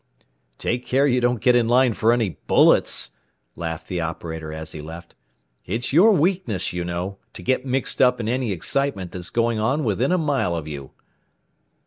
"Take care you don't get in line for any bullets," laughed the operator as he left. "It's your weakness, you know, to get mixed up in any excitement that's going on within a mile of you."